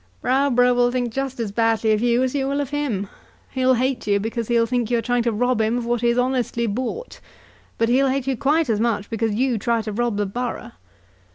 "Browborough will think just as badly of you as you will of him. He'll hate you because he'll think you are trying to rob him of what he has honestly bought; but he'll hate you quite as much because you try to rob the borough.